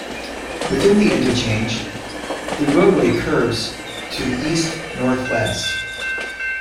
Within the interchange, the roadway curves to the east-northeast.